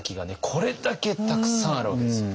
これだけたくさんあるわけです。